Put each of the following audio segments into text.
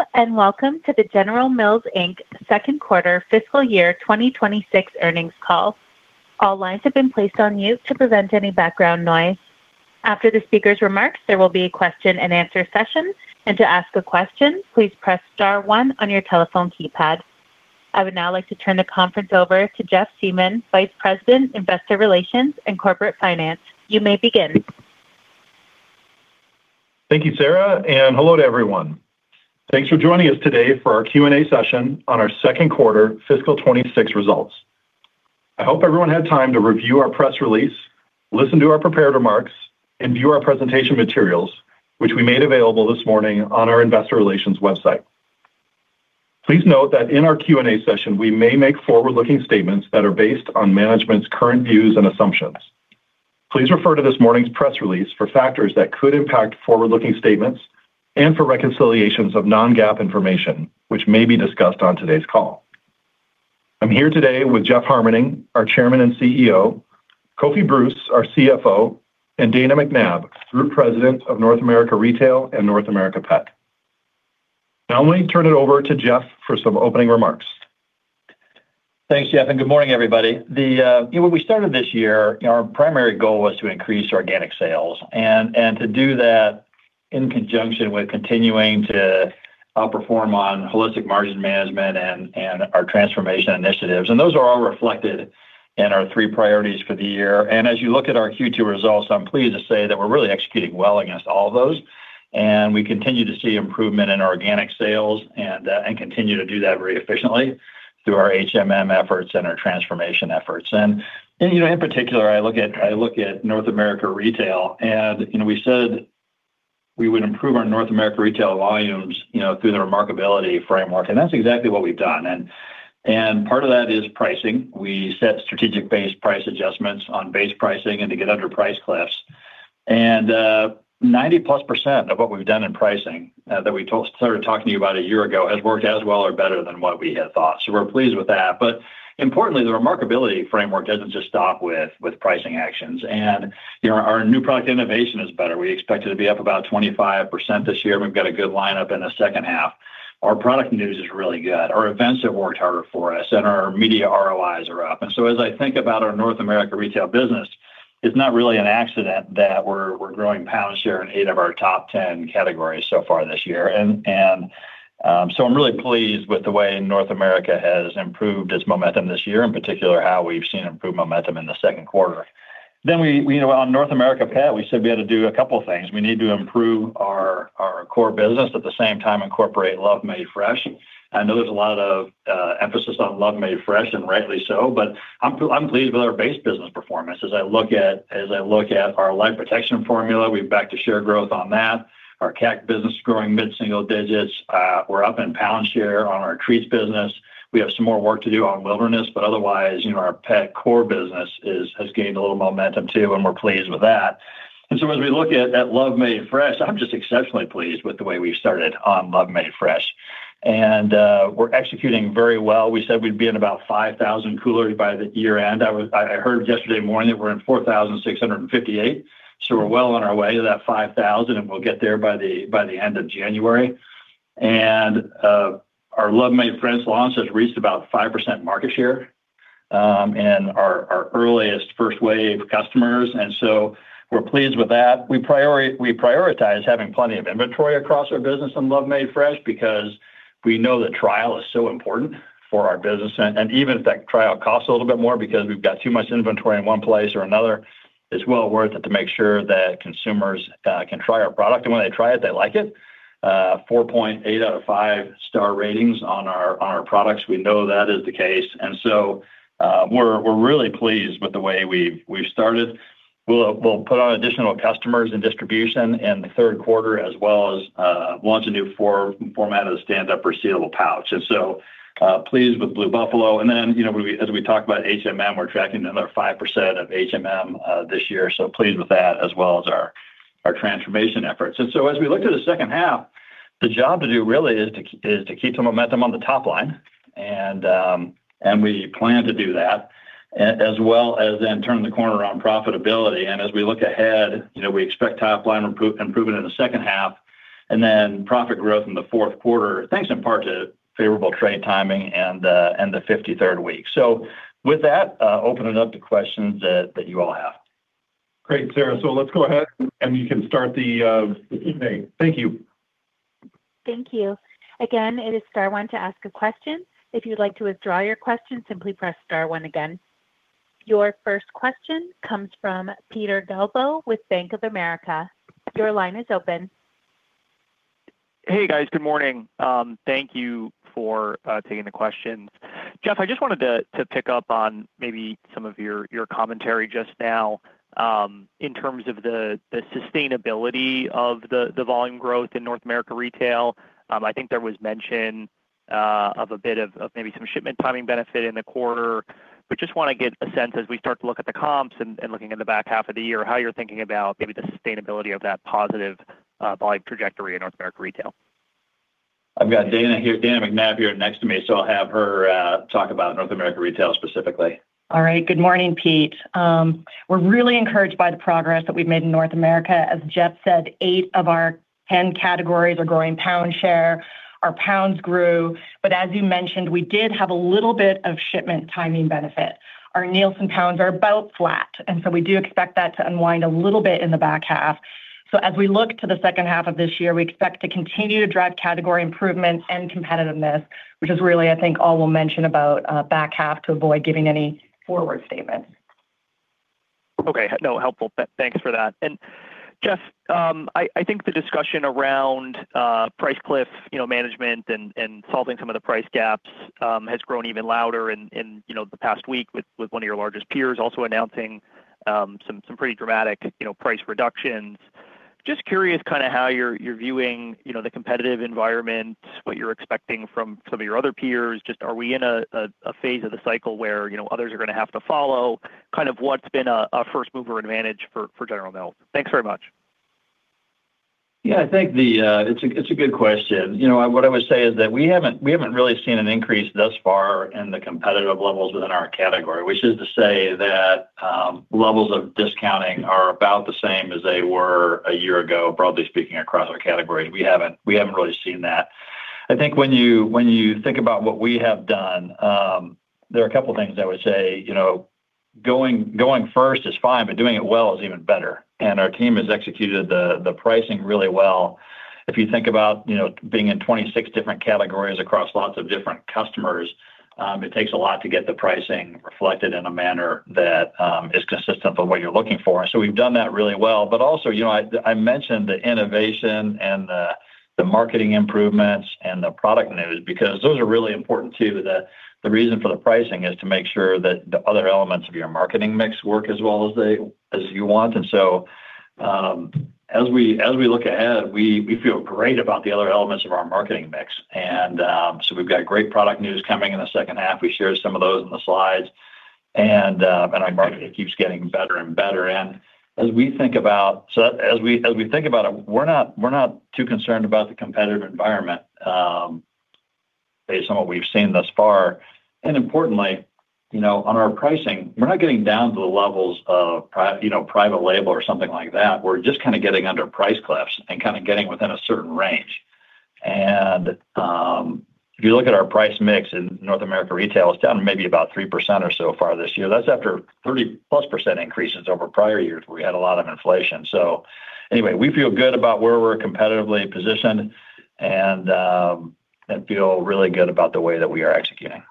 Hello, and welcome to the General Mills Inc. Second Quarter Fiscal Year 2026 earnings call. All lines have been placed on mute to prevent any background noise. After the speaker's remarks, there will be a question and answer session, and to ask a question, please press star one on your telephone keypad. I would now like to turn the conference over to Jeff Siemon, Vice President, Investor Relations and Corporate Finance. You may begin. Thank you, Sarah, and hello to everyone. Thanks for joining us today for our Q&A session on our Second Quarter Fiscal 2026 results. I hope everyone had time to review our press release, listen to our prepared remarks, and view our presentation materials, which we made available this morning on our Investor Relations website. Please note that in our Q&A session, we may make forward-looking statements that are based on management's current views and assumptions. Please refer to this morning's press release for factors that could impact forward-looking statements and for reconciliations of non-GAAP information, which may be discussed on today's call. I'm here today with Jeff Harmening, our Chairman and CEO, Kofi Bruce, our CFO, and Dana McNabb, Group President of North America Retail and North America Pet. Now I'm going to turn it over to Jeff for some opening remarks. Thanks, Jeff, and good morning, everybody. When we started this year, our primary goal was to increase organic sales, and to do that in conjunction with continuing to outperform on Holistic Margin Management and our transformation initiatives. And those are all reflected in our three priorities for the year. And as you look at our Q2 results, I'm pleased to say that we're really executing well against all of those. And we continue to see improvement in organic sales and continue to do that very efficiently through our HMM efforts and our transformation efforts. And in particular, I look at North America Retail, and we said we would improve our North America Retail volumes through the Remarkability Framework. And that's exactly what we've done. And part of that is pricing. We set strategic-based price adjustments on base pricing and to get under price cliffs. 90%+ of what we've done in pricing that we started talking to you about a year ago has worked as well or better than what we had thought. We're pleased with that. Importantly, the Remarkability Framework doesn't just stop with pricing actions. Our new product innovation is better. We expect it to be up about 25% this year, and we've got a good lineup in the second half. Our product news is really good. Our events have worked harder for us, and our media ROIs are up. As I think about our North America Retail business, it's not really an accident that we're growing pound share in eight of our top 10 categories so far this year. I'm really pleased with the way North America has improved its momentum this year, in particular how we've seen improved momentum in the second quarter. Then on North America Pet, we said we had to do a couple of things. We need to improve our core business, at the same time incorporate Love Made Fresh. I know there's a lot of emphasis on Love Made Fresh, and rightly so, but I'm pleased with our base business performance. As I look at our Life Protection Formula, we've gained share growth on that. Our Cat business is growing mid-single digits. We're up in pound share on our treats business. We have some more work to do on Wilderness, but otherwise, our pet core business has gained a little momentum too, and we're pleased with that. As we look at Love Made Fresh, I'm just exceptionally pleased with the way we've started on Love Made Fresh. We're executing very well. We said we'd be in about 5,000 coolers by year-end. I heard yesterday morning that we're in 4,658. We're well on our way to that 5,000, and we'll get there by the end of January. Our Love Made Fresh launch has reached about 5% market share in our earliest first wave customers. We're pleased with that. We prioritize having plenty of inventory across our business on Love Made Fresh because we know that trial is so important for our business. Even if that trial costs a little bit more because we've got too much inventory in one place or another, it's well worth it to make sure that consumers can try our product. When they try it, they like it. 4.8 out of Five-Star ratings on our products. We know that is the case. We're really pleased with the way we've started. We'll put on additional customers and distribution in the third quarter, as well as launch a new format of the stand-up resealable pouch. Pleased with Blue Buffalo. Then, as we talk about, we're tracking another 5% this year. Pleased with that, as well as our transformation efforts. As we look to the second half, the job to do really is to keep some momentum on the top line. We plan to do that, as well as then turn the corner on profitability. And as we look ahead, we expect top-line improvement in the second half, and then profit growth in the fourth quarter, thanks in part to favorable trade timing and the 53rd week. So with that, open it up to questions that you all have. Great, Sarah. So let's go ahead, and you can start the Q&A. Thank you. Thank you. Again, it is star one to ask a question. If you'd like to withdraw your question, simply press star one again. Your first question comes from Peter Galbo with Bank of America. Your line is open. Hey, guys. Good morning. Thank you for taking the questions. Jeff, I just wanted to pick up on maybe some of your commentary just now in terms of the sustainability of the volume growth in North America Retail. I think there was mention of a bit of maybe some shipment timing benefit in the quarter. But just want to get a sense as we start to look at the comps and looking at the back half of the year, how you're thinking about maybe the sustainability of that positive volume trajectory in North America Retail? I've got Dana McNabb here next to me, so I'll have her talk about North America Retail specifically. All right. Good morning, Pete. We're really encouraged by the progress that we've made in North America. As Jeff said, eight of our 10 categories are growing pound share. Our pounds grew. But as you mentioned, we did have a little bit of shipment timing benefit. Our Nielsen pounds are about flat. And so we do expect that to unwind a little bit in the back half. So as we look to the second half of this year, we expect to continue to drive category improvement and competitiveness, which is really, I think, all we'll mention about back half to avoid giving any forward statements. Okay. No, helpful. Thanks for that. And Jeff, I think the discussion around price cliff management and solving some of the price gaps has grown even louder in the past week with one of your largest peers also announcing some pretty dramatic price reductions. Just curious kind of how you're viewing the competitive environment, what you're expecting from some of your other peers. Just are we in a phase of the cycle where others are going to have to follow? Kind of what's been a first mover advantage for General Mills? Thanks very much. Yeah, I think it's a good question. What I would say is that we haven't really seen an increase thus far in the competitive levels within our category, which is to say that levels of discounting are about the same as they were a year ago, broadly speaking, across our categories. We haven't really seen that. I think when you think about what we have done, there are a couple of things I would say. Going first is fine, but doing it well is even better. And our team has executed the pricing really well. If you think about being in 26 different categories across lots of different customers, it takes a lot to get the pricing reflected in a manner that is consistent with what you're looking for. And so we've done that really well. But also, I mentioned the innovation and the marketing improvements and the product news because those are really important too. The reason for the pricing is to make sure that the other elements of your marketing mix work as well as you want. And so as we look ahead, we feel great about the other elements of our marketing mix. And so we've got great product news coming in the second half. We shared some of those in the slides. And marketing keeps getting better and better. So as we think about it, we're not too concerned about the competitive environment based on what we've seen thus far. And importantly, on our pricing, we're not getting down to the levels of private label or something like that. We're just kind of getting under price cliffs and kind of getting within a certain range. And if you look at our price mix in North America Retail, it's down maybe about 3% or so far this year. That's after 30%+ increases over prior years where we had a lot of inflation. So anyway, we feel good about where we're competitively positioned and feel really good about the way that we are executing.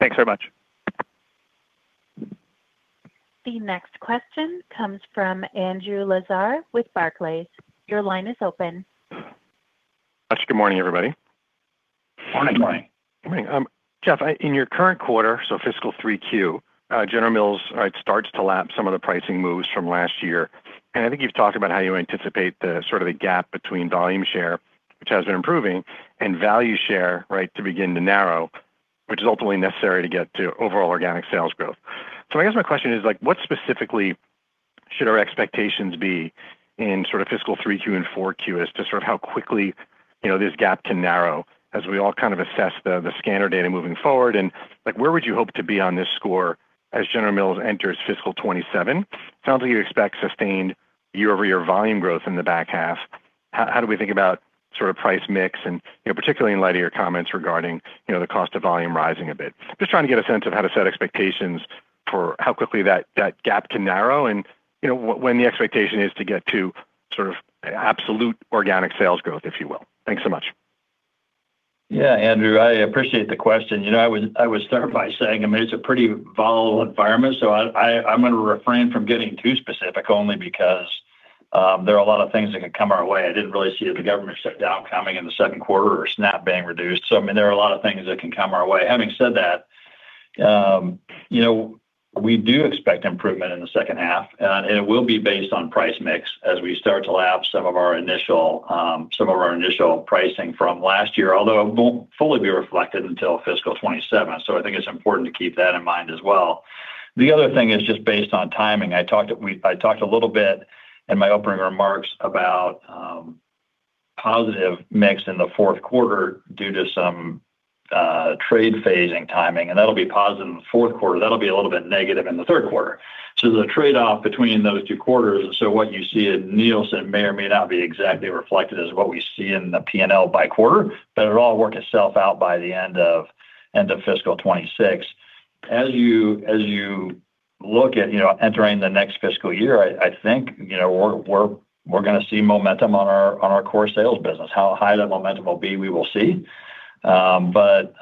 Thanks very much. The next question comes from Andrew Lazar with Barclays. Your line is open. Good morning, everybody. Morning. Good morning. Morning. Jeff, in your current quarter, so fiscal 3Q, General Mills starts to lap some of the pricing moves from last year. And I think you've talked about how you anticipate the sort of the gap between volume share, which has been improving, and value share, right, to begin to narrow, which is ultimately necessary to get to overall organic sales growth. So I guess my question is, what specifically should our expectations be in sort of fiscal 3Q and 4Q as to sort of how quickly this gap can narrow as we all kind of assess the scanner data moving forward? And where would you hope to be on this score as General Mills enters fiscal 2027? It sounds like you expect sustained year-over-year volume growth in the back half. How do we think about sort of price mix and particularly in light of your comments regarding the cost and volume rising a bit? Just trying to get a sense of how to set expectations for how quickly that gap can narrow and when the expectation is to get to sort of absolute organic sales growth, if you will. Thanks so much. Yeah, Andrew, I appreciate the question. I would start by saying, I mean, it's a pretty volatile environment. So I'm going to refrain from getting too specific only because there are a lot of things that can come our way. I didn't really see the government shutdown coming in the second quarter or SNAP being reduced. So I mean, there are a lot of things that can come our way. Having said that, we do expect improvement in the second half, and it will be based on price mix as we start to lap some of our initial pricing from last year, although it won't fully be reflected until fiscal 2027. So I think it's important to keep that in mind as well. The other thing is just based on timing. I talked a little bit in my opening remarks about positive mix in the fourth quarter due to some trade phasing timing, and that'll be positive in the fourth quarter. That'll be a little bit negative in the third quarter, so there's a trade-off between those two quarters, and so what you see in Nielsen may or may not be exactly reflected as what we see in the P&L by quarter, but it'll all work itself out by the end of fiscal 2026. As you look at entering the next fiscal year, I think we're going to see momentum on our core sales business. How high that momentum will be, we will see. But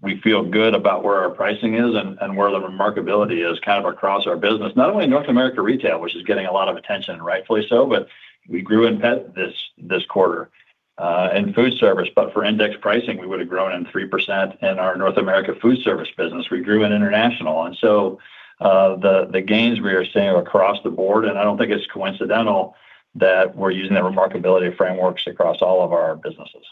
we feel good about where our pricing is and where the remarkability is kind of across our business, not only North America Retail, which is getting a lot of attention, rightfully so, but we grew in Pet this quarter in Foodservice. But for index pricing, we would have grown in 3% in our North America Foodservice business. We grew in International. And so the gains we are seeing across the board, and I don't think it's coincidental that we're using the Remarkability Frameworks across all of our businesses.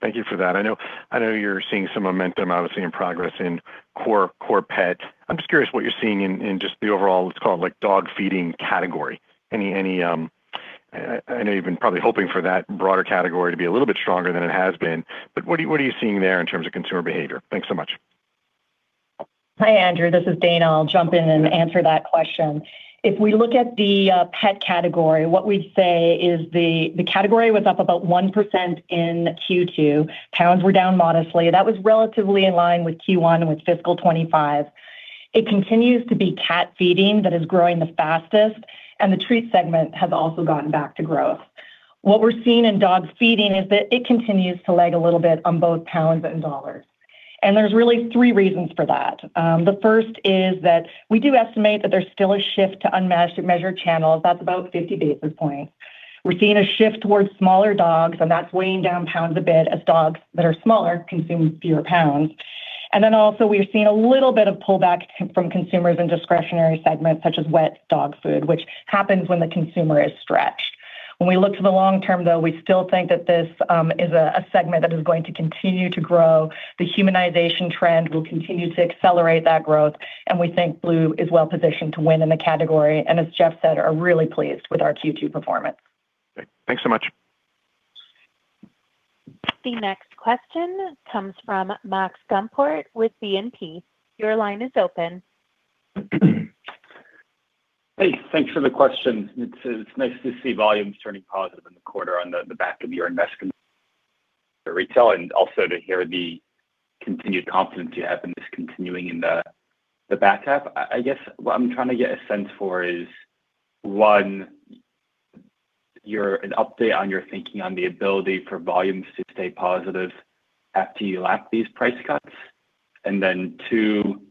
Thank you for that. I know you're seeing some momentum, obviously, in progress in core pet. I'm just curious what you're seeing in just the overall, let's call it, dog feeding category. I know you've been probably hoping for that broader category to be a little bit stronger than it has been. But what are you seeing there in terms of consumer behavior? Thanks so much. Hi, Andrew. This is Dana. I'll jump in and answer that question. If we look at the pet category, what we'd say is the category was up about 1% in Q2. Pounds were down modestly. That was relatively in line with Q1 and with fiscal 2025. It continues to be cat feeding that is growing the fastest, and the treat segment has also gotten back to growth. What we're seeing in dog feeding is that it continues to lag a little bit on both pounds and dollars. And there's really three reasons for that. The first is that we do estimate that there's still a shift to unmeasured channels. That's about 50 basis points. We're seeing a shift towards smaller dogs, and that's weighing down pounds a bit as dogs that are smaller consume fewer pounds. And then also, we're seeing a little bit of pullback from consumers in discretionary segments such as wet dog food, which happens when the consumer is stretched. When we look to the long term, though, we still think that this is a segment that is going to continue to grow. The humanization trend will continue to accelerate that growth. And we think Blue is well positioned to win in the category. And as Jeff said, we are really pleased with our Q2 performance. Thanks so much. The next question comes from Max Gumport with BNP. Your line is open. Hey, thanks for the question. It's nice to see volumes turning positive in the quarter on the back of your investment in retail and also to hear the continued confidence you have in this continuing in the back half. I guess what I'm trying to get a sense for is, one, an update on your thinking on the ability for volumes to stay positive after you lap these price cuts. And then two,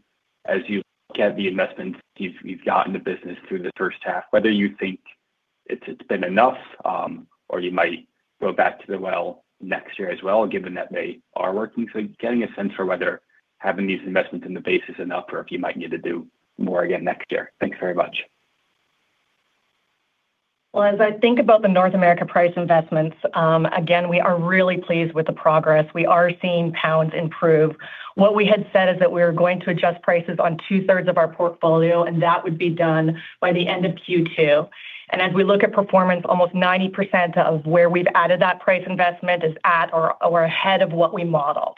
as you look at the investments you've got in the business through the first half, whether you think it's been enough or you might go back to the well next year as well, given that they are working. So getting a sense for whether having these investments in the base is enough or if you might need to do more again next year. Thanks very much. As I think about the North America price investments, again, we are really pleased with the progress. We are seeing pounds improve. What we had said is that we were going to adjust prices on two-thirds of our portfolio, and that would be done by the end of Q2. As we look at performance, almost 90% of where we've added that price investment is at or ahead of what we modeled.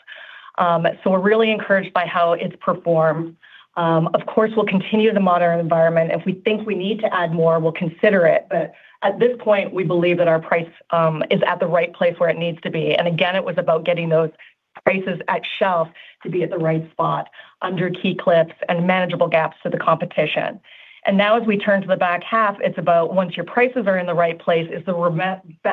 We're really encouraged by how it's performed. Of course, we'll continue to monitor the environment. If we think we need to add more, we'll consider it. At this point, we believe that our price is at the right place where it needs to be. Again, it was about getting those prices on shelf to be at the right spot under key price cliffs and manageable gaps to the competition. And now, as we turn to the back half, it's about once your prices are in the right place, is the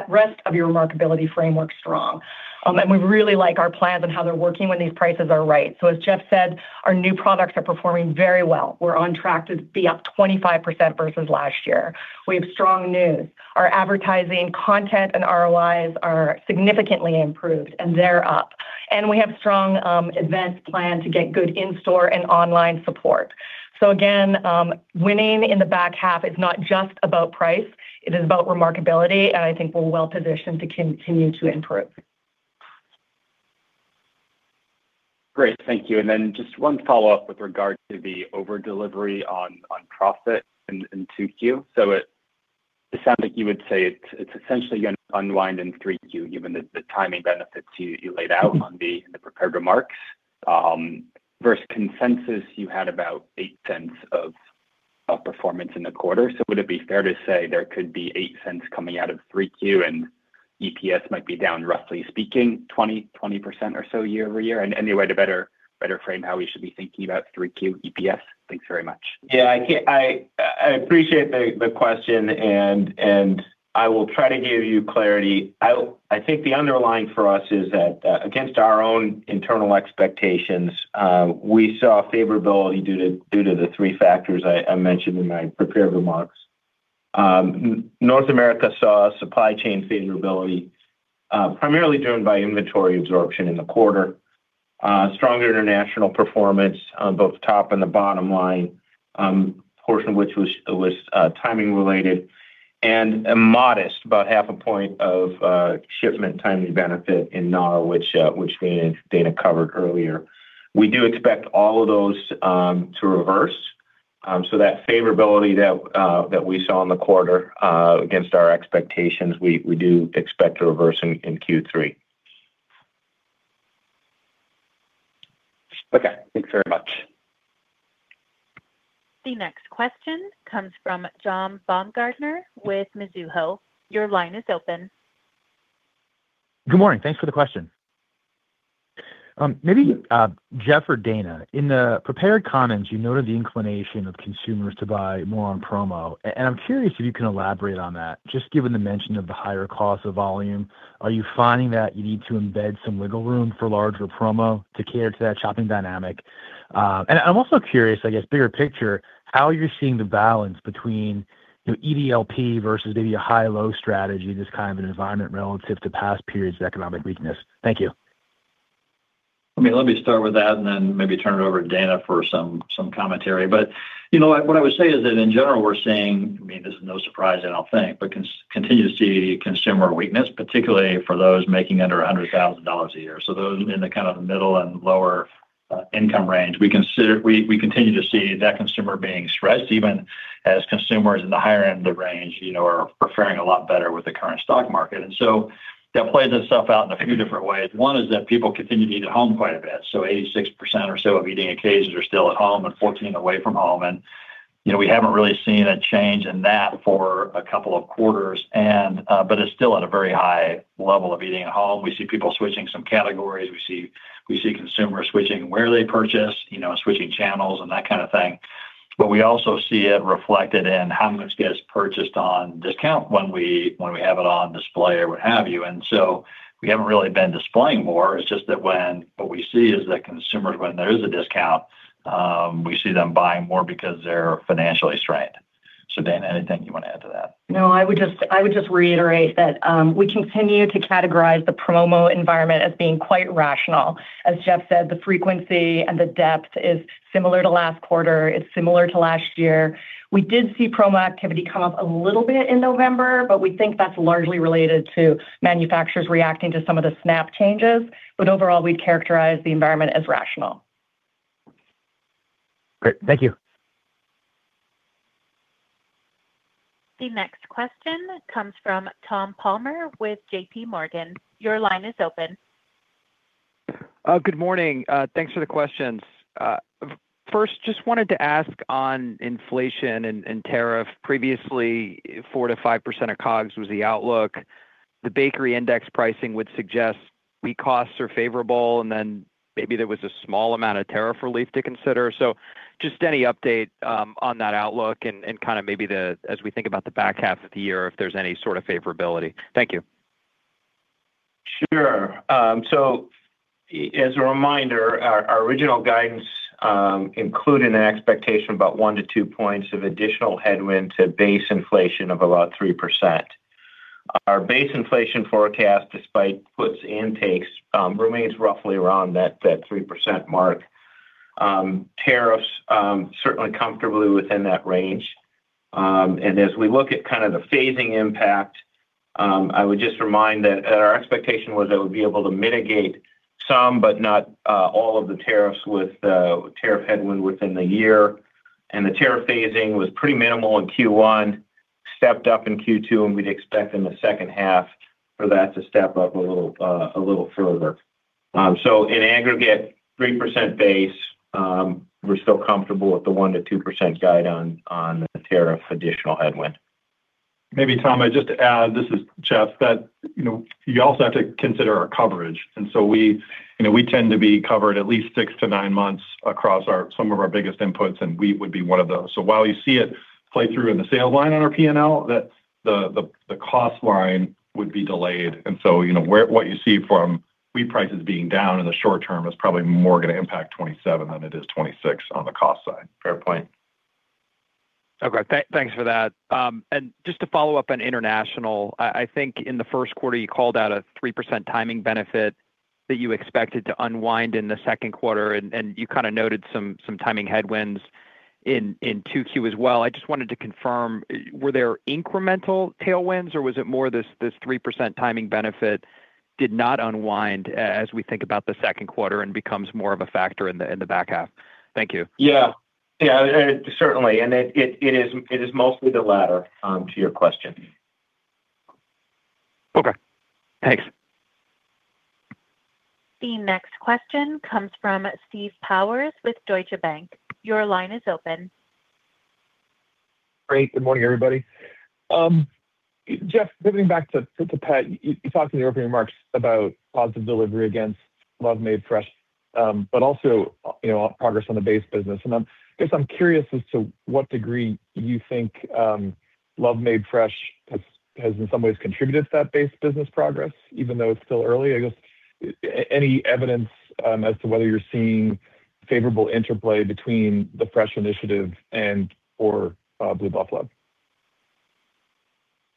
rest of your remarkability framework strong? And we really like our plans and how they're working when these prices are right. So as Jeff said, our new products are performing very well. We're on track to be up 25% versus last year. We have strong news. Our advertising content and ROIs are significantly improved, and they're up. And we have strong events planned to get good in-store and online support. So again, winning in the back half is not just about price. It is about remarkability. And I think we're well positioned to continue to improve. Great. Thank you. And then just one follow-up with regard to the overdelivery on profit in 2Q. So it sounds like you would say it's essentially going to unwind in 3Q, given the timing benefits you laid out in the prepared remarks. Versus consensus, you had about $0.08 of performance in the quarter. So would it be fair to say there could be $0.08 coming out of 3Q and EPS might be down, roughly speaking, 20% or so year-over-year? And any way to better frame how we should be thinking about 3Q EPS? Thanks very much. Yeah, I appreciate the question, and I will try to give you clarity. I think the underlying for us is that against our own internal expectations, we saw favorability due to the three factors I mentioned in my prepared remarks. North America saw supply chain favorability, primarily driven by inventory absorption in the quarter, stronger International performance on both top and the bottom line, a portion of which was timing related, and a modest, about half a point of shipment timing benefit in NAR, which Dana covered earlier. We do expect all of those to reverse, so that favorability that we saw in the quarter against our expectations, we do expect to reverse in Q3. Okay. Thanks very much. The next question comes from John Baumgartner with Mizuho. Your line is open. Good morning. Thanks for the question. Maybe Jeff or Dana, in the prepared comments, you noted the inclination of consumers to buy more on promo. And I'm curious if you can elaborate on that. Just given the mention of the higher cost of volume, are you finding that you need to embed some wiggle room for larger promo to cater to that shopping dynamic? And I'm also curious, I guess, bigger picture, how you're seeing the balance between EDLP versus maybe a high-low strategy, this kind of an environment relative to past periods of economic weakness? Thank you. I mean, let me start with that and then maybe turn it over to Dana for some commentary. But what I would say is that in general, we're seeing, I mean, this is no surprise, I don't think, but continue to see consumer weakness, particularly for those making under $100,000 a year. So those in the kind of middle and lower income range, we continue to see that consumer being stressed, even as consumers in the higher end of the range are faring a lot better with the current stock market. And so that plays itself out in a few different ways. One is that people continue to eat at home quite a bit. So 86% or so of eating occasions are still at home and 14% away from home. We haven't really seen a change in that for a couple of quarters, but it's still at a very high level of eating at home. We see people switching some categories. We see consumers switching where they purchase and switching channels and that kind of thing. But we also see it reflected in how much gets purchased on discount when we have it on display or what have you. And so we haven't really been displaying more. It's just that when what we see is that consumers, when there is a discount, we see them buying more because they're financially strained. So Dana, anything you want to add to that? No, I would just reiterate that we continue to categorize the promo environment as being quite rational. As Jeff said, the frequency and the depth is similar to last quarter. It's similar to last year. We did see promo activity come up a little bit in November, but we think that's largely related to manufacturers reacting to some of the SNAP changes. But overall, we'd characterize the environment as rational. Great. Thank you. The next question comes from Tom Palmer with JPMorgan. Your line is open. Good morning. Thanks for the questions. First, just wanted to ask on inflation and tariff. Previously, 4%-5% of COGS was the outlook. The bakery index pricing would suggest the costs are favorable, and then maybe there was a small amount of tariff relief to consider. So just any update on that outlook and kind of maybe as we think about the back half of the year, if there's any sort of favorability. Thank you. Sure. So as a reminder, our original guidance included an expectation of about 1-2 points of additional headwind to base inflation of about 3%. Our base inflation forecast, despite puts and takes, remains roughly around that 3% mark. Tariffs certainly comfortably within that range. And as we look at kind of the phasing impact, I would just remind that our expectation was that we'd be able to mitigate some, but not all of the tariffs with tariff headwind within the year. And the tariff phasing was pretty minimal in Q1, stepped up in Q2, and we'd expect in the second half for that to step up a little further. So in aggregate, 3% base, we're still comfortable with the 1%-2% guide on the tariff additional headwind. Maybe, Tom, I'd just add, this is Jeff, that you also have to consider our coverage. And so we tend to be covered at least six to nine months across some of our biggest inputs, and wheat would be one of those. So while you see it play through in the sales line on our P&L, the cost line would be delayed. And so what you see from wheat prices being down in the short term is probably more going to impact 27 than it is 26 on the cost side. Fair point. Okay. Thanks for that. And just to follow up on international, I think in the first quarter, you called out a 3% timing benefit that you expected to unwind in the second quarter, and you kind of noted some timing headwinds in 2Q as well. I just wanted to confirm, were there incremental tailwinds, or was it more this 3% timing benefit did not unwind as we think about the second quarter and becomes more of a factor in the back half? Thank you. Yeah. Yeah, certainly. And it is mostly the latter to your question. Okay. Thanks. The next question comes from Steve Powers with Deutsche Bank. Your line is open. Great. Good morning, everybody. Jeff, pivoting back to Pet, you talked in the opening remarks about positive delivery against Love Made Fresh, but also progress on the base business. I guess I'm curious as to what degree you think Love Made Fresh has in some ways contributed to that base business progress, even though it's still early. I guess any evidence as to whether you're seeing favorable interplay between the Fresh initiative and/or Blue Buffalo?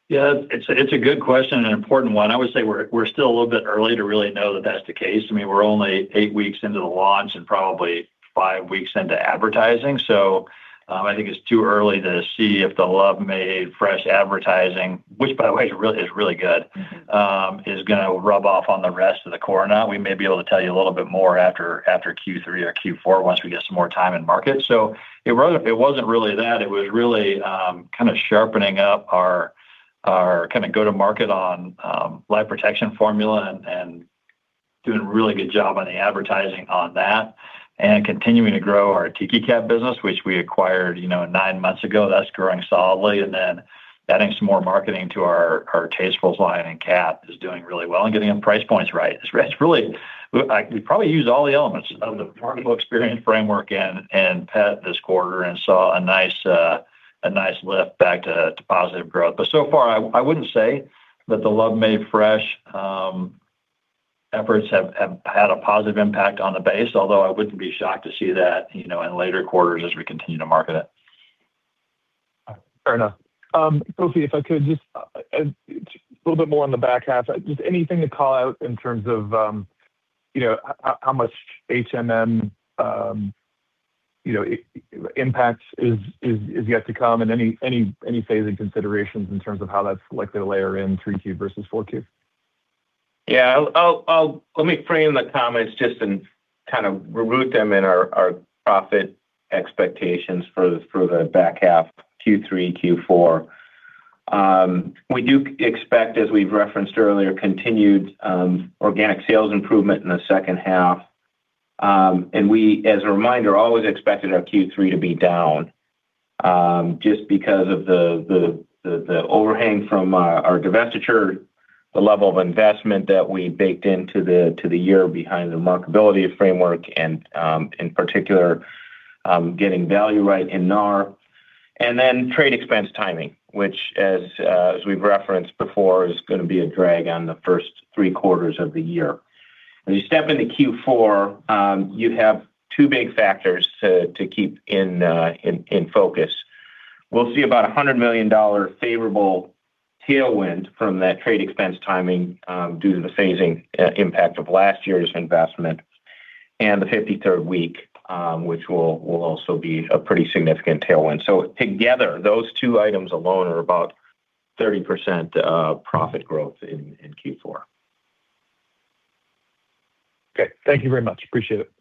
Yeah, it's a good question and an important one. I would say we're still a little bit early to really know that that's the case. I mean, we're only eight weeks into the launch and probably five weeks into advertising. So I think it's too early to see if the Love Made Fresh advertising, which, by the way, is really good, is going to rub off on the rest of the core. We may be able to tell you a little bit more after Q3 or Q4 once we get some more time in market. So it wasn't really that. It was really kind of sharpening up our kind of go-to-market on Life Protection Formula and doing a really good job on the advertising on that and continuing to grow our Tiki Cat business, which we acquired nine months ago. That's growing solidly. And then adding some more marketing to our Tastefuls line in cat is doing really well and getting them price points right. We probably used all the elements of the Profitable Experience Framework in pet this quarter and saw a nice lift back to positive growth. But so far, I wouldn't say that the Love Made Fresh efforts have had a positive impact on the base, although I wouldn't be shocked to see that in later quarters as we continue to market it. Fair enough. Kofi, if I could, just a little bit more on the back half. Just anything to call out in terms of how much HMM impact is yet to come and any phasing considerations in terms of how that's likely to layer in 3Q versus 4Q? Yeah. Let me frame the comments just and kind of root them in our profit expectations for the back half, Q3, Q4. We do expect, as we've referenced earlier, continued organic sales improvement in the second half. And we, as a reminder, always expected our Q3 to be down just because of the overhang from our divestiture, the level of investment that we baked into the year behind the Remarkability Framework, and in particular, getting value right in NAR. And then trade expense timing, which, as we've referenced before, is going to be a drag on the first three quarters of the year. As you step into Q4, you have two big factors to keep in focus. We'll see about a $100 million favorable tailwind from that trade expense timing due to the phasing impact of last year's investment and the 53rd week, which will also be a pretty significant tailwind, so together, those two items alone are about 30% profit growth in Q4. Okay. Thank you very much. Appreciate it.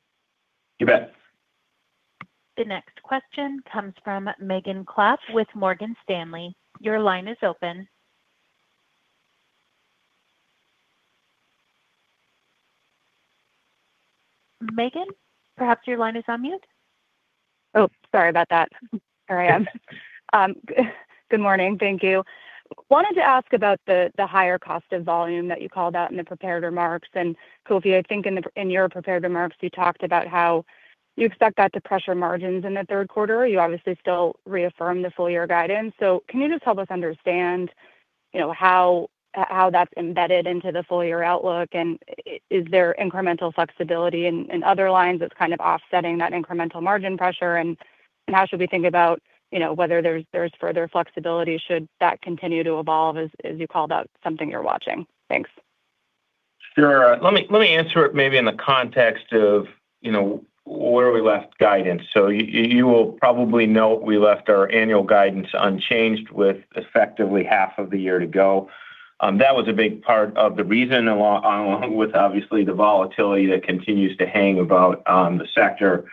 You bet. The next question comes from Megan Clapp with Morgan Stanley. Your line is open. Megan, perhaps your line is on mute. Oh, sorry about that. Here I am. Good morning. Thank you. Wanted to ask about the higher cost of volume that you called out in the prepared remarks, and Kofi, I think in your prepared remarks, you talked about how you expect that to pressure margins in the third quarter. You obviously still reaffirm the full year guidance, so can you just help us understand how that's embedded into the full year outlook, and is there incremental flexibility in other lines that's kind of offsetting that incremental margin pressure, and how should we think about whether there's further flexibility should that continue to evolve as you call out something you're watching? Thanks. Sure. Let me answer it maybe in the context of where we left guidance. So you will probably note we left our annual guidance unchanged with effectively half of the year to go. That was a big part of the reason, along with obviously the volatility that continues to hang about the sector,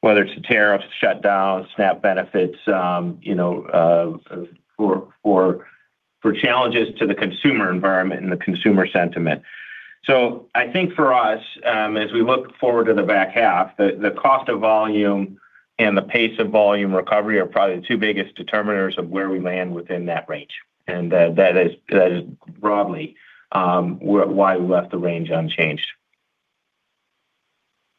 whether it's the tariffs, shutdowns, SNAP benefits, or challenges to the consumer environment and the consumer sentiment. So I think for us, as we look forward to the back half, the cost of volume and the pace of volume recovery are probably the two biggest determiners of where we land within that range. And that is broadly why we left the range unchanged.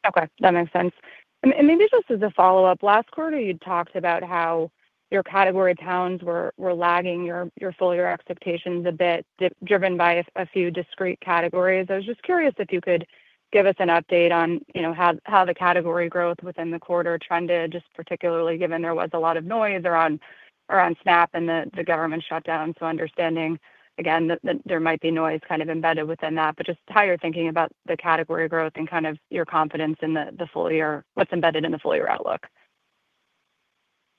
Okay. That makes sense. And maybe just as a follow-up, last quarter, you talked about how your category pounds were lagging your full year expectations a bit, driven by a few discrete categories. I was just curious if you could give us an update on how the category growth within the quarter trended, just particularly given there was a lot of noise around SNAP and the government shutdown. So understanding, again, that there might be noise kind of embedded within that. But just how you're thinking about the category growth and kind of your confidence in the full year, what's embedded in the full year outlook.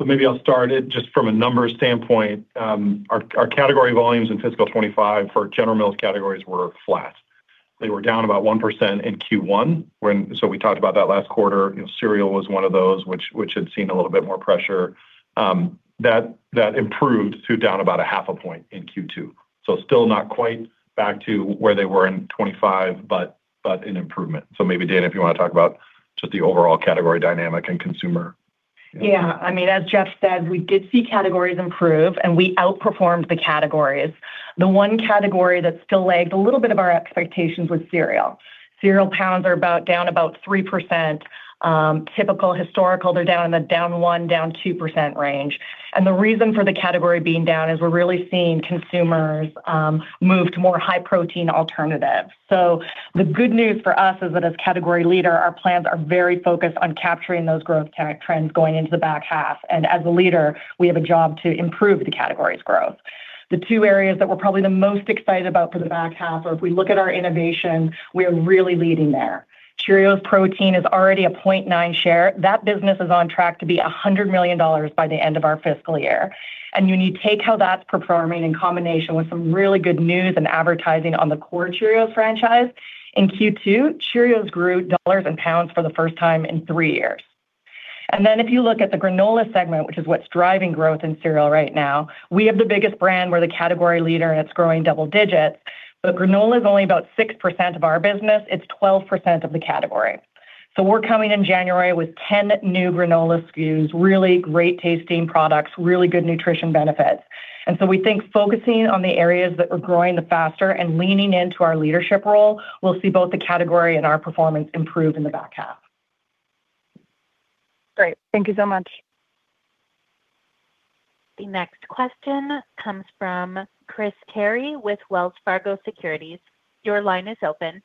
Maybe I'll start it just from a numbers standpoint. Our category volumes in fiscal 2025 for General Mills categories were flat. They were down about 1% in Q1. We talked about that last quarter. Cereal was one of those, which had seen a little bit more pressure. That improved to down about 0.5% in Q2. Still not quite back to where they were in 2025, but an improvement. Maybe, Dana, if you want to talk about just the overall category dynamic and consumer. Yeah. I mean, as Jeff said, we did see categories improve, and we outperformed the categories. The one category that still lagged a little bit of our expectations was cereal. Cereal pounds are down about 3%. Typical historical, they're down in the 1%-2% range. And the reason for the category being down is we're really seeing consumers move to more high-protein alternatives. So the good news for us is that as category leader, our plans are very focused on capturing those growth trends going into the back half. And as a leader, we have a job to improve the category's growth. The two areas that we're probably the most excited about for the back half, or if we look at our innovation, we are really leading there. Cheerios Protein is already a 0.9 share. That business is on track to be $100 million by the end of our fiscal year. And when you take how that's performing in combination with some really good news and advertising on the core Cheerios franchise, in Q2, Cheerios grew dollars and pounds for the first time in three years. And then if you look at the granola segment, which is what's driving growth in cereal right now, we have the biggest brand. We're the category leader, and it's growing double digits. But granola is only about 6% of our business. It's 12% of the category. So we're coming in January with 10 new granola SKUs, really great tasting products, really good nutrition benefits. And so we think focusing on the areas that we're growing the faster and leaning into our leadership role, we'll see both the category and our performance improve in the back half. Great. Thank you so much. The next question comes from Chris Carey with Wells Fargo Securities. Your line is open.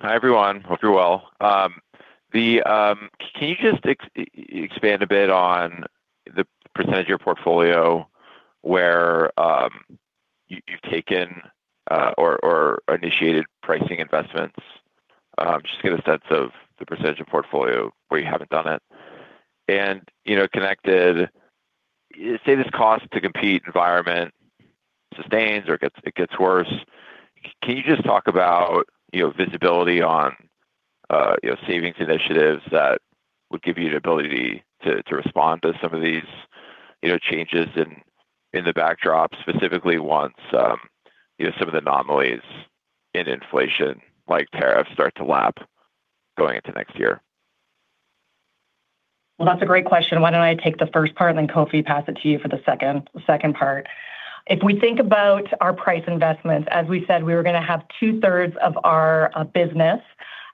Hi, everyone. Hope you're well. Can you just expand a bit on the percentage of your portfolio where you've taken or initiated pricing investments? Just get a sense of the percentage of portfolio where you haven't done it. And connected, say this cost-to-compete environment sustains or it gets worse. Can you just talk about visibility on savings initiatives that would give you the ability to respond to some of these changes in the backdrop, specifically once some of the anomalies in inflation like tariffs start to lap going into next year? That's a great question. Why don't I take the first part, and then Kofi pass it to you for the second part? If we think about our price investments, as we said, we were going to have two-thirds of our business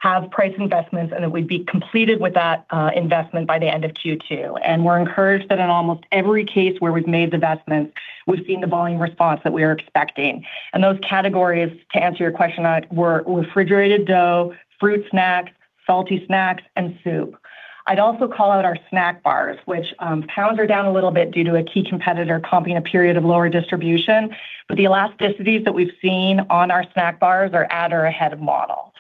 have price investments, and it would be completed with that investment by the end of Q2, and we're encouraged that in almost every case where we've made the investments, we've seen the volume response that we are expecting, and those categories, to answer your question, were refrigerated dough, fruit snacks, salty snacks, and soup. I'd also call out our snack bars, which pounds are down a little bit due to a key competitor comping a period of lower distribution, but the elasticities that we've seen on our snack bars are at or ahead of model,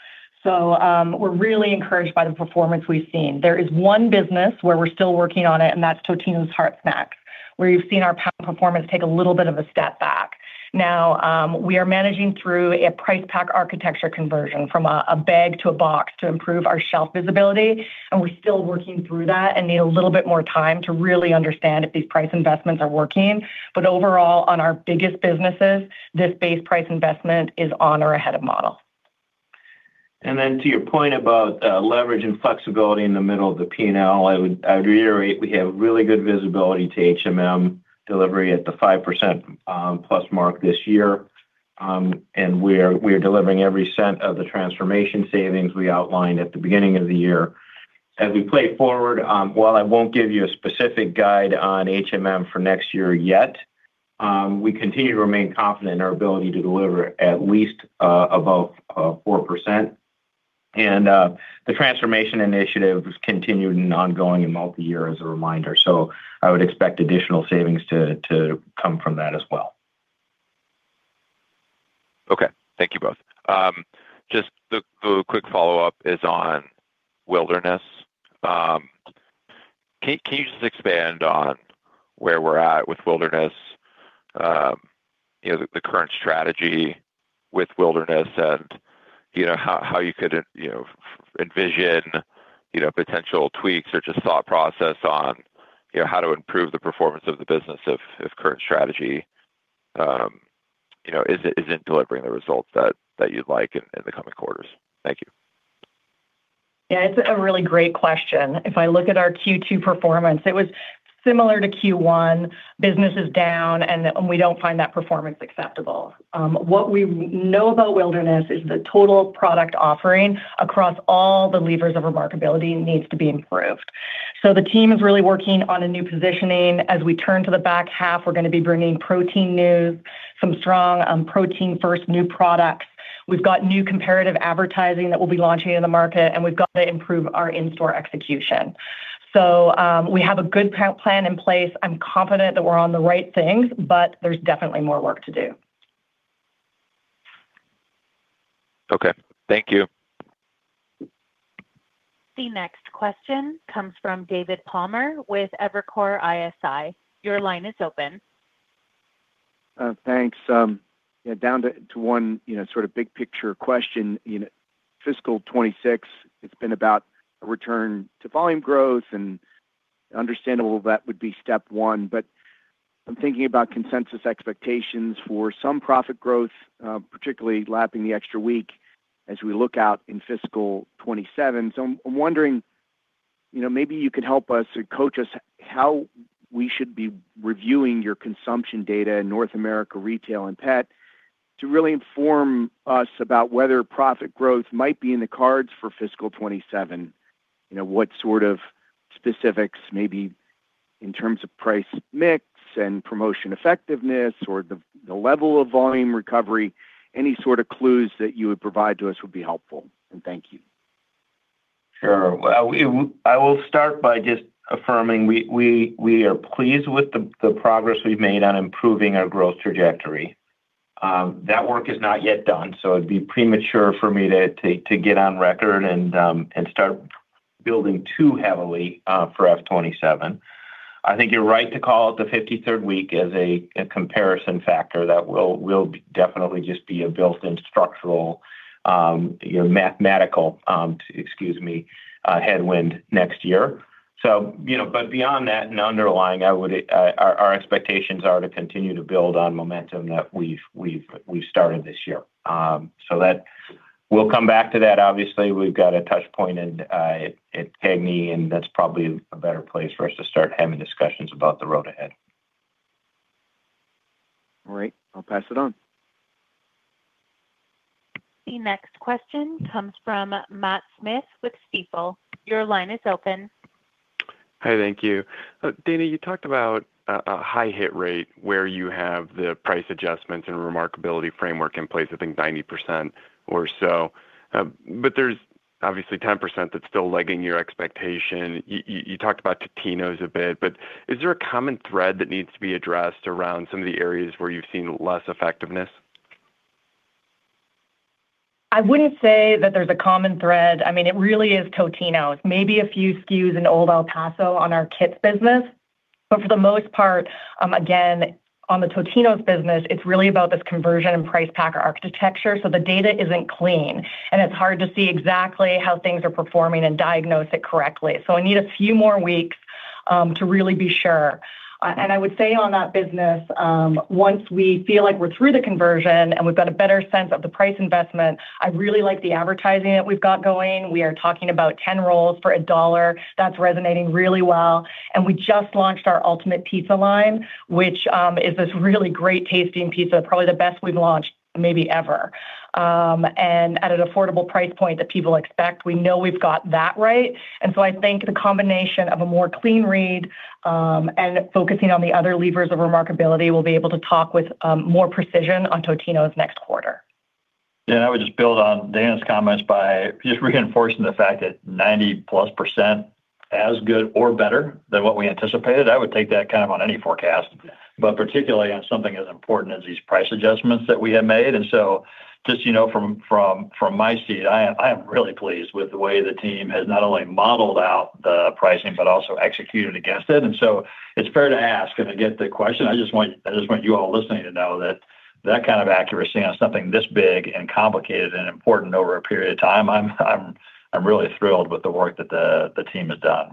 so we're really encouraged by the performance we've seen. There is one business where we're still working on it, and that's Totino's Hot Snacks, where you've seen our pound performance take a little bit of a step back. Now, we are managing through a price pack architecture conversion from a bag to a box to improve our shelf visibility, and we're still working through that and need a little bit more time to really understand if these price investments are working, but overall, on our biggest businesses, this base price investment is on or ahead of model. And then to your point about leverage and flexibility in the middle of the P&L, I would reiterate we have really good visibility to delivery at the 5%+ mark this year. And we are delivering every cent of the transformation savings we outlined at the beginning of the year. As we play forward, while I won't give you a specific guide on for next year yet, we continue to remain confident in our ability to deliver at least above 4%. And the transformation initiative is continued and ongoing in multi-year as a reminder. So I would expect additional savings to come from that as well. Okay. Thank you both. Just the quick follow-up is on Wilderness. Can you just expand on where we're at with Wilderness, the current strategy with Wilderness, and how you could envision potential tweaks or just thought process on how to improve the performance of the business if current strategy isn't delivering the results that you'd like in the coming quarters? Thank you. Yeah. It's a really great question. If I look at our Q2 performance, it was similar to Q1. Business is down, and we don't find that performance acceptable. What we know about Wilderness is the total product offering across all the levers of Remarkability needs to be improved. So the team is really working on a new positioning. As we turn to the back half, we're going to be bringing protein news, some strong protein-first new products. We've got new comparative advertising that we'll be launching in the market, and we've got to improve our in-store execution. So we have a good plan in place. I'm confident that we're on the right things, but there's definitely more work to do. Okay. Thank you. The next question comes from David Palmer with Evercore ISI. Your line is open. Thanks. Down to one sort of big-picture question. Fiscal 2026, it's been about a return to volume growth, and understandable that would be step one. But I'm thinking about consensus expectations for some profit growth, particularly lapping the extra week as we look out in fiscal 2027. So I'm wondering, maybe you could help us or coach us how we should be reviewing your consumption data in North America retail and pet to really inform us about whether profit growth might be in the cards for fiscal 2027. What sort of specifics, maybe in terms of price mix and promotion effectiveness or the level of volume recovery, any sort of clues that you would provide to us would be helpful, and thank you. Sure. Well, I will start by just affirming we are pleased with the progress we've made on improving our growth trajectory. That work is not yet done. So it'd be premature for me to get on record and start building too heavily for F 2027. I think you're right to call it the 53rd week as a comparison factor. That will definitely just be a built-in structural, mathematical, excuse me, headwind next year. But beyond that and underlying, our expectations are to continue to build on momentum that we've started this year. So we'll come back to that. Obviously, we've got a touchpoint at CAGNY, and that's probably a better place for us to start having discussions about the road ahead. All right. I'll pass it on. The next question comes from Matt Smith with Stifel. Your line is open. Hi. Thank you. Dana, you talked about a high hit rate where you have the price adjustments and Remarkability Framework in place, I think 90% or so. But there's obviously 10% that's still lagging your expectation. You talked about Totino's a bit, but is there a common thread that needs to be addressed around some of the areas where you've seen less effectiveness? I wouldn't say that there's a common thread. I mean, it really is Totino's. Maybe a few SKUs in Old El Paso on our Kits business, but for the most part, again, on the Totino's business, it's really about this conversion and price pack architecture, so the data isn't clean, and it's hard to see exactly how things are performing and diagnose it correctly, so I need a few more weeks to really be sure, and I would say on that business, once we feel like we're through the conversion and we've got a better sense of the price investment, I really like the advertising that we've got going. We are talking about 10 rolls for $1. That's resonating really well, and we just launched our Ultimate Pizza line, which is this really great tasting pizza, probably the best we've launched maybe ever. And at an affordable price point that people expect, we know we've got that right. And so I think the combination of a more clean read and focusing on the other levers of remarkability will be able to talk with more precision on Totino’s next quarter. Yeah. I would just build on Dana's comments by just reinforcing the fact that 90%+ as good or better than what we anticipated. I would take that kind of on any forecast, but particularly on something as important as these price adjustments that we have made. And so just from my seat, I am really pleased with the way the team has not only modeled out the pricing, but also executed against it. And so it's fair to ask and to get the question. I just want you all listening to know that that kind of accuracy on something this big and complicated and important over a period of time, I'm really thrilled with the work that the team has done.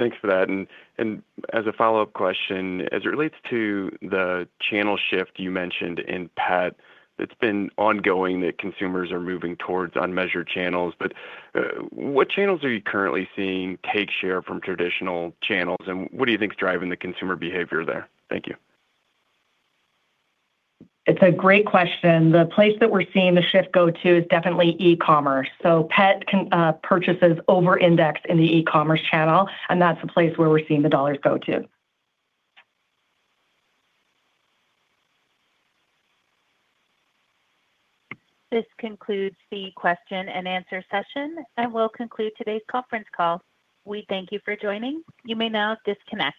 Thanks for that, and as a follow-up question, as it relates to the channel shift you mentioned in pet, it's been ongoing that consumers are moving towards unmeasured channels, but what channels are you currently seeing take share from traditional channels, and what do you think is driving the consumer behavior there? Thank you. It's a great question. The place that we're seeing the shift go to is definitely e-commerce. So pet purchases over-index in the e-commerce channel, and that's the place where we're seeing the dollars go to. This concludes the question and answer session and will conclude today's conference call. We thank you for joining. You may now disconnect.